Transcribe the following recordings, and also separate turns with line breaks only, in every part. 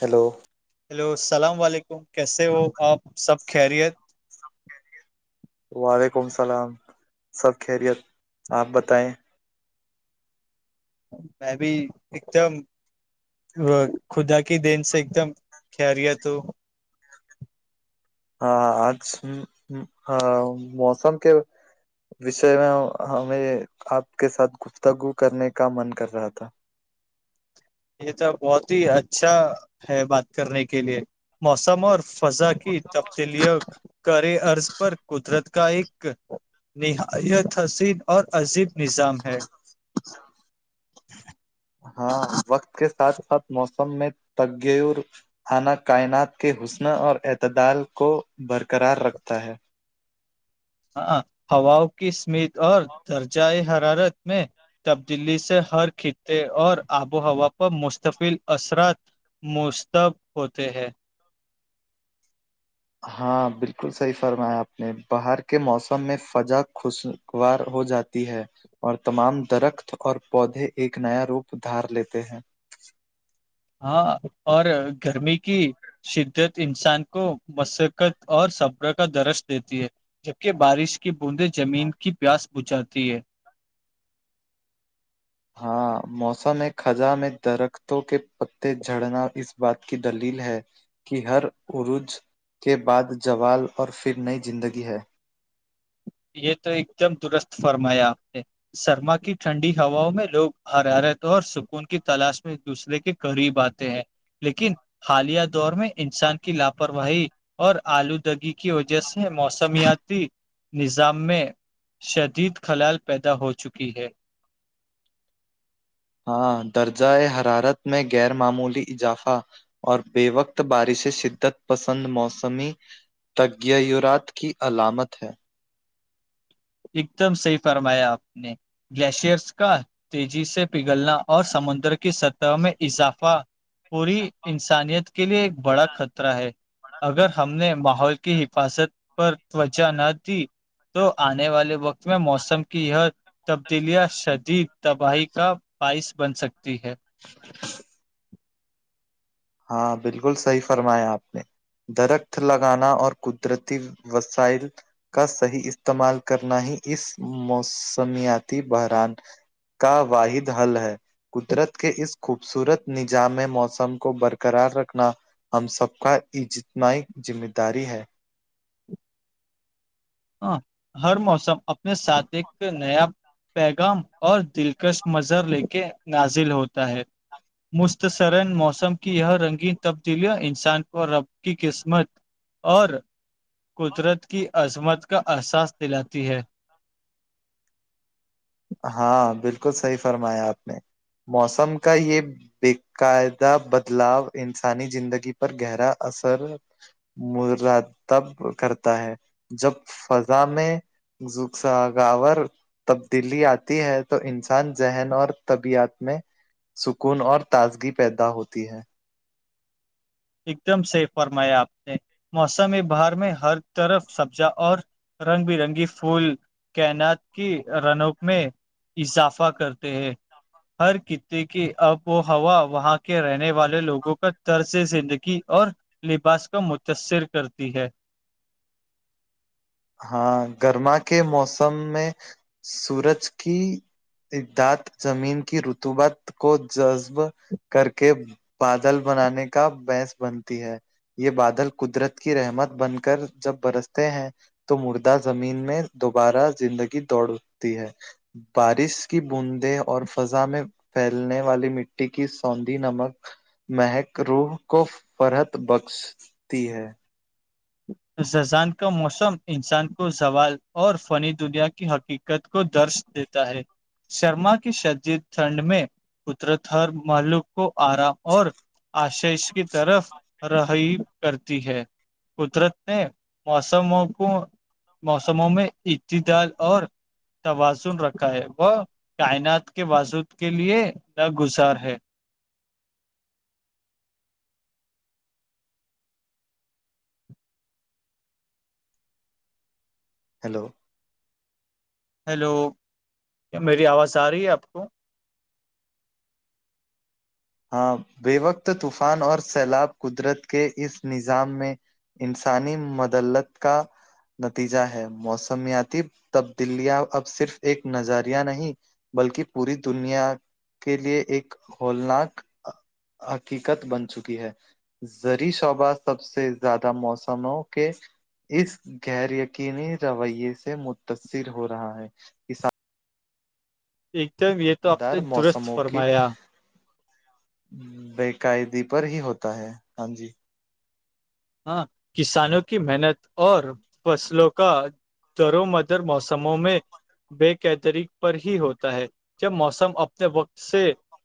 hello
hello السلام علیکم کیسے ہو آپ سب خیریت
وعلیکم السلام سب خیریت آپ بتائیں
میں بھی ایک دم وہ خدا کی دین سے ایک دم خیریت ہو [inaudible]
ہاں آج ہ موسم کے [inaudible] وشے میں ہمیں آپ کے ساتھ گفتگو کرنے کا من کر رہا تھا [inaudible]
یہ تو بہت ہی اچھا ہے بات کرنے کے لیے موسم اور فضا کی تبدیلیاں کرے ارض پر قدرت کا ایک نہایت حسین اور عجیب نظام ہے
[inaudible] ہاں وقت کے ساتھ ساتھ موسم میں تگگیور [inaudible] کھانا کائنات کے حسن اور اعتدال کو برقرار رکھتا ہے
ہواؤں کی سمت اور درجۂ حرارت میں تبدیلی سے ہر خطے اور آب و ہوا پر مستفل اثرات مستب ہوتے ہیں
ہاں بالکل صحیح فرمایا آپ نے باہر کے موسم میں فزا خش خوشگوار ہو جاتی ہے اور تمام درخت اور پودے ایک نیا روپ دھار لیتے ہیں
ہاں اور گرمی کی شدت انسان کو مسقت اور صبر کا درس دیتی ہے جبکہ بارش کی بوندیں زمین کی پیاس بچاتی ہے
ہاں موسمی خزاں میں درختوں کے پتے جھڑنا اس بات کی دلیل ہے کہ ہر عروج کے بعد ذوال اور پھر نئی زندگی ہے
یہ تو ایک دم درست فرمایا آپ نے سرما کی ٹھنڈی ہواؤں میں لوگ ہرا رہےتے ہیں اور سکون کی تلاش میں ایک دوسرے کے قریب آتے ہیں لیکن حالیہ دور میں انسان کی لاپرواہی اور آلودگی کی وجہ سے موسمیاتی نظام میں شدید خلل پیدا ہو چکی ہے
ہاں درجہ ہے حرارت میں غیر معمولی اضافہ اور بے وقت بارشیں شدت پسند موسمی تغورات کی علامت ہے
ایک دم صحیح فرمایا آپ نے گلیشئرس کا تیزی سے پگھلنا اور سمندر کی سطح میں اضافہ پوری انسانیت کے لیے ایک بڑا خطرہ ہے اگر ہم نے ماحول کی حفاظت پر توچہ نہ دی تو آنے والے وقت میں موسم کی یہ تبدیلیاں شدید تباہی کا بائس بن سکتی ہے
[inaudible] ہاں بالکل صحیح فرمایا آپ نے درخت لگانا اور قدرتی وسائل کا صحیح استعمال کرنا ہی اس موسمیاتی بحران کا واحد حل ہے قدرت کے اس خوبصورت نظام میں موسم کو بر برقرار رکھنا ہم سب کا اجتماع ذمہ داری ہے
ہاں ہر موسم اپنے ساتھ ایک نیا پیغام اور دلکش منظر لے کے نازل ہوتا ہے مختصرن موسم کی یہ رنگین تبدیلیاں انسان کو رب کی قسمت اور قدرت کی عظمت کا احساس دلاتی ہے
ہاں بالکل صحیح فرمایا آپ نے موسم کا یہ بقاعدہ بدلاؤ انسانی زندگی پر گہرا اثر مرادب کرتا ہے جب فضا میں زوک سا گاور دلی آتی ہے تو انسان ذہن اور طبیعت میں سکون اور تازگی پیدا ہوتی ہے
ایک دم سحیح فرمایا آپ نے موسم بہار میں ہر طرف سبزا اور رنگ برنگی پھول کینات کی رنک میں اضافہ کرتے ہیں ہر کتے کی اب و ہوا وہاں کے رہنے والے لوگوں کا ترسے سے اور لباس کو متاثر کرتی ہے
ہاں گرما کے موسم میں سورج کی زمین کی رتوبات کو جذب کر کے بادل بنانے کا بنس بنتی ہے یہ بادل قدرت کی رحمت بن کر جب برستے ہیں تو مردہ زمین میں دوبارہ زندگی دوڑتی ہے بارش کی بوندیں اور فضا میں پھیلنے والی مٹی کی سوندھی نمک مہک روح کو فرحت بخشتی ہے
ززان کا موسم انسان کو زوال اور فنی دنیا کی حقیق ت کو درش دیتا ہے شرما کی شدید ٹھنڈ میں قدرت ہر ملق کو آرا اور آشیش کی طرف رہی کرتی ہے قدرت نے موسموں کو موسموں میں اتی دال اور توازن رکھا ہے وہ کائنات کے وضود کے لیے ناگزار ہے
ہیلو
ہیلو کیا میری آواز آ رہی ہے آپ کو
ہاں بے وقت طوفان اور سیلاب قدرت کے اس نظام میں انسانی مدلت کا نتیجہ ہے موسمیاتی تبدیلیاں اب صرف ایک نظریہ نہیں بلکہ پوری دنیا کے لیے ایک ہولناک حقیقت بن چکی ہے زری شعبہ سب سے زیادہ موسموں کے اس غیر یقینی رویے سے متاثر ہو رہا ہے ک
ایک تو آپ
مدار
نے درست
موسموں کی
فرمایا
بقاعدی پر ہی ہوتا ہے ہاں جی
ہاں کسانوں کی محنت اور فصلوں کا در مدر موسموں میں بے قتریک پر ہی ہوتا ہے جب موسم اپنے وقت سے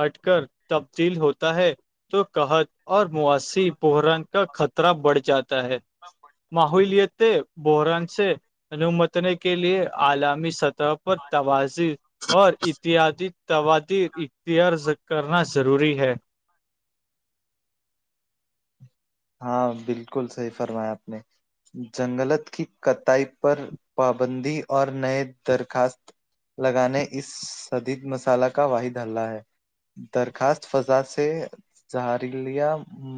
ہٹ کر تبدیل ہوتا ہے تو قحط اور مواسی برن کا خطر طرح بڑھ جاتا ہے
سب
محلیت تھ بران سے انومتنے کے لیے عالامی سطح پر توازح اور اتحادی توادیر اتی عرز کرنا ضروری ہے
ہاں بالکل صحیح فرمایا آپ نے جنگلت کی کتائی پر پابندی اور نئے درخواست لگانے اس شدید مسالہ کا واحد ہلہ ہے درخواست فضا سے جہری لیا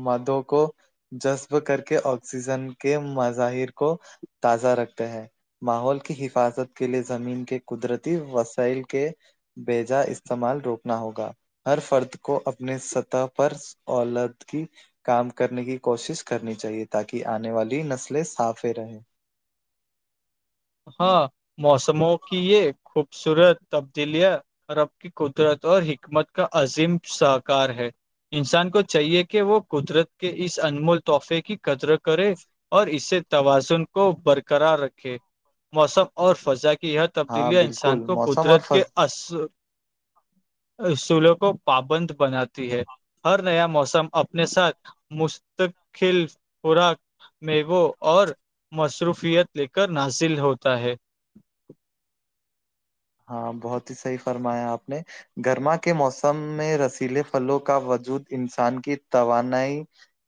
مد کو جذب کر کے آکسیجن کے مظاہر کو تازہ رکھتے ہیں ماحول کی حفاظت کے لیے زمین کے قدرتی وسائل کے بیجا استعمال روکنا ہوگا ہر فرد کو اپنے سطح پر اولادگی کام کرنے کی کوشش کرنی چاہیے تاکہ آنے والی نسلیں صافے رہیں
ہاں موسموں کی یہ خوبصورت تبدیلیاں اور اب قدرت اور حکمت کا عظیم ساکار ہے انسان کو چاہیے کہ وہ قدرت کے اس انمول تحفے کی قدر کرے اور اس سے توازن کو برقرار رکھے موسم اور فضا کی یہ
ہاں
تبدیلیاں انسان
بالکل
کو
موسم اور
قدرت
فض
کے اثر اصولوں کو پابند بناتی ہے ہر نیا موسم اپنے ساتھ مستقل خوراک میو اور مصروفیت لے کر نصل ہوتا ہے
ہاں بہت ہی صحیح فرمایا آپ نے گرما کے موسم میں رسیلے پھلوں کا وجود انسان کی توانائی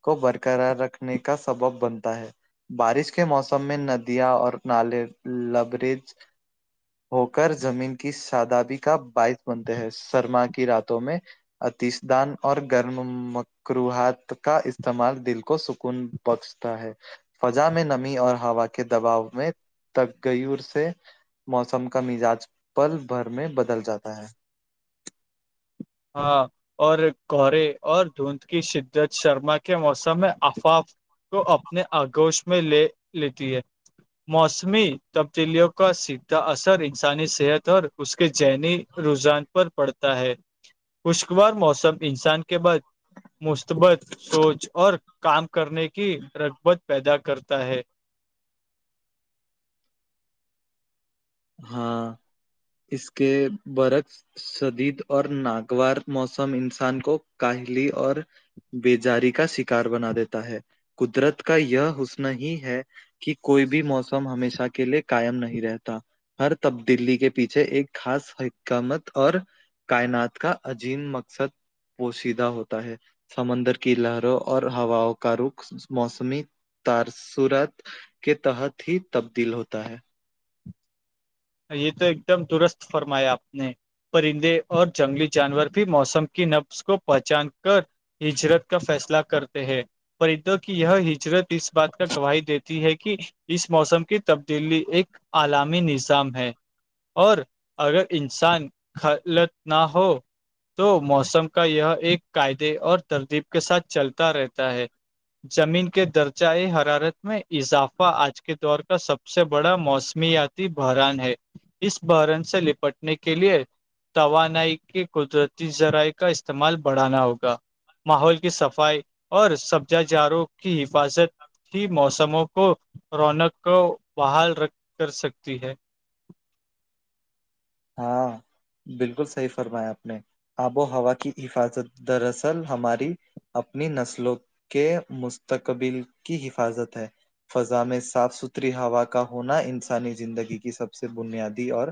کو برقرار رکھنے کا سبب بنتا ہے بارش کے موسم میں ندیاں اور نالے لبریج ہو کر زمین کی سادابی کا باعث بنتے ہیں سرما کی راتوں میں اتیش دان اور گرم م کروہات کا استعمال دل کو سکون بخشتا ہے فضا میں نمی اور ہوا کے دباؤ میں تگیور سے موسم کا مزاج پل بھر میں بدل جاتا ہے
ہاں اور گرے اور دھند کی شدت شرما کے موسم میں آفاف کو اپنے آگوش میں لے لیتی ہے موسمی تبدیلیوں کا سیدھا اثر انسانی صحت اور اس کے ذہنی رجحان پر پڑتا ہے خوشگوار موسم انسان کے بعد مثبت سوچ اور کام کرنے کی رغبت پیدا کرتا ہے
ہاں اس کے برکس شدید اور ناگوار موسم انسان کو کاہلی اور بزاری کا شکار بنا دیتا ہے قدرت کا یہ حسن ہی ہے کہ کوئی بھی موسم ہمیشہ کے لیے قائم نہیں رہتا ہر تبدیلی کے پیچھے ایک خاص حکامت اور کائنات کا عظیم مقصد پوشیدہ ہوتا ہے سمندر کی لہروں اور ہواؤں کا رخ موسمی تاثرات کے تحت ہی تبدیل ہوتا ہے
یہ تو ایک دم درست فرمایا آپ نے پرندے اور جنگلی جانور بھی موسم کی نبس کو پہچان کر ہجرت کا فیصلہ کرتے ہیں پرندوں کی یہ ہجرت اس بات کا گواہی دیتی ہے کہ اس موسم کی تبدیلی ایک علامی نظ ہے اور اگر انسان خلط نہ ہو تو موسم کا یہ ایک قعدے اور ترتیب کے ساتھ چلتا رہتا ہے زمین کے درجۂ حرارت میں اضافہ آج کے دور کا سب سے بڑا موسمیاتی بحران ہے اس بحران سے لپٹنے کے لئے توانائی کہ قدرتی ذرائع کا استعمال بڑھانا ہوگا ماحول کی صفائی اور سبجا جاروں کی حفاظت ہی موسموں کو رونق کو بحال رکھ کر سکتی ہے
ہاں بالکل صحیح فرمایا آپ نے آب و ہوا کی حفاظت دراصل ہماری اپنی نسلوں کے مستقبل کی حفاظت ہے فضا میں صاف ستھری ہوا کا ہونا انسانی زندگی کی سب سے بنیادی اور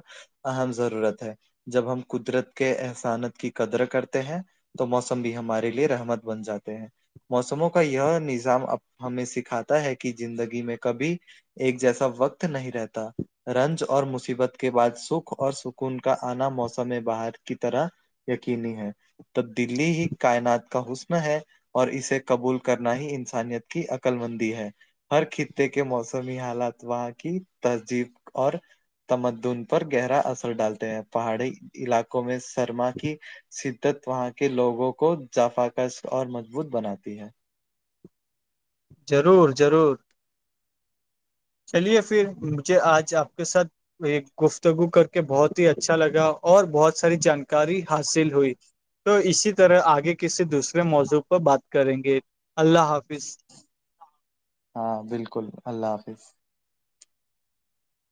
اہم ضرورت ہے جب ہم قدرت کے احسانت کی قدر کرتے ہیں تو موسم بھی ہمارے لیے رحمت بن جاتے ہیں موسموں کا یہ نظام ہمیں سکھاتا ہے کہ زندگی میں کبھی ایک جیسا وقت نہیں رہتا رنج اور مصیبت کے بعد سوکھ اور سکون کا آنا موسم باہر کی طرح یقینی ہے تو دلی ہی کائنات کا حسن ہے اور اسے قبول کرنا ہی انسانیت کی عقل مندی ہے ہر خطے کے موسمی حالات وہاں کی تہذیب اور تمدن پر گہرا اثر ڈالتے ہیں پہاڑی علاقوں میں سرما کی شدت وہاں کے لوگوں کو جافا کس اور مضبوط بناتی ہے
ضرور ضرور چلیے پھر مجھے آج آپ کے ساتھ یہ گفتگو کر کے بہت ہی اچھا لگا اور بہت ساری جانکاری حاصل ہوئی تو اسی طرح آگے کسی دوسرے موضوع پر بات کریں گے اللہ حافظ
ہاں بالکل اللہ حافظ